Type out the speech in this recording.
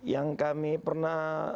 yang kami pernah